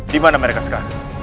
dimana mereka sekarang